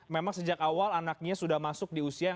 memang sejak awal anaknya sudah masuk di usia